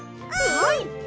はい！